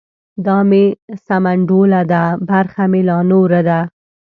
ـ دا مې سمنډوله ده برخه مې لا نوره ده.